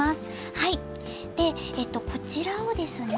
はいでこちらをですね